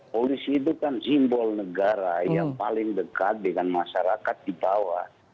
polisi itu kan simbol negara yang paling dekat dengan masyarakat di bawah